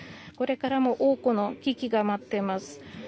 これからも多くの危機が待っています。